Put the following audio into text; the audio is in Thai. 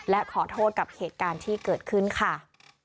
และขอโทษกับเหตุการณ์ที่เกิดขึ้นค่ะ